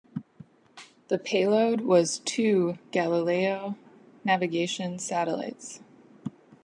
The payload was two Galileo navigation satellites.